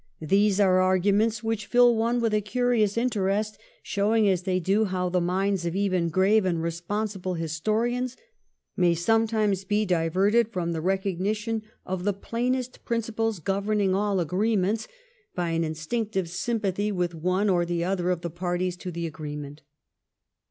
These are arguments which fill one with a curious interest, showing as they do how the minds of even grave and responsible historians may sometimes be diverted from the recognition of the plainest prin ciples governing all agreements, by an instinctive sympathy with one or the other of the parties to the agreement.